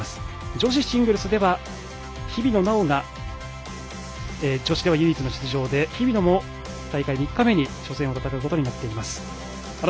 女子シングルスでは日比野菜緒が女子では唯一の出場で、日比野も大会３日目に初戦を戦うことになっています。